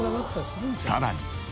さらに。